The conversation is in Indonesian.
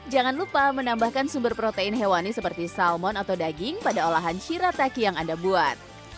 jangan lupa menambahkan sumber protein hewani seperti salmon atau daging pada olahan shirataki yang anda buat